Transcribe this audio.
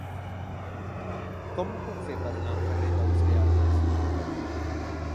Com ho puc fer per anar al carrer de les Beates?